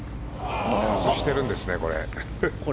外してるんですね、これ。